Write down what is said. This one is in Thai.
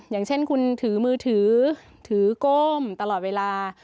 อย่างเช่นคุณถือมือถือถือก้มตลอดเวลา